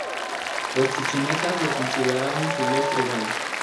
Los Chichimecas lo consideraron su dios tribal.